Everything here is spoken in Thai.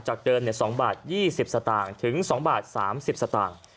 จากเดิม๒บาท๒๐สตางค์ถึง๒บาท๓๐สตางค์